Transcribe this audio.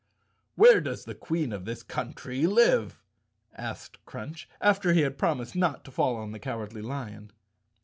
"Where does the Queen of this country live?" asked Crunch, after he had promised not to fall on the Cow¬ ardly Lion.